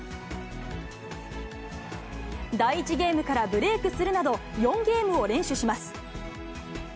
第１ゲームからブレークするなど、４ゲームを連取します。